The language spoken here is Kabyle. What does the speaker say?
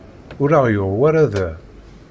Ur aɣ-yuɣ wara da.